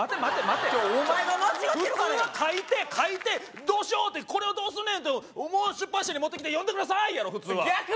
待てお前が間違ってるからや普通は書いて書いてどうしようこれをどうすんねんって出版社に持ってきて読んでくださいやろ普通は逆！